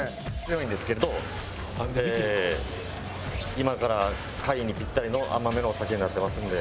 今から貝にピッタリの甘めのお酒になってますので。